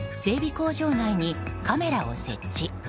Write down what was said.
工場内にカメラを設置。